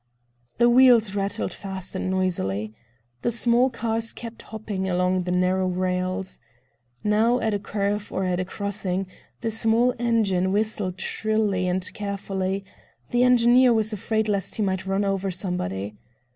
The wheels rattled fast and noisily. The small cars kept hopping along the narrow rails. Now at a curve or at a crossing the small engine whistled shrilly and carefully—the engineer was afraid lest he might run over somebody.